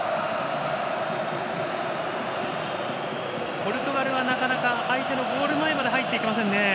ポルトガルは、なかなか相手のゴール前まで入っていけませんね。